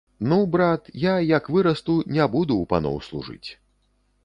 Ну, брат, я, як вырасту, не буду ў паноў служыць.